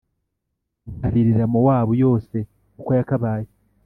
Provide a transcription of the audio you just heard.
nkaririra Mowabu yose uko yakabaye